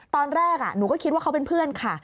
ตอนแรกหนูก็คิดว่าเขาเป็นเพื่อนค่ะ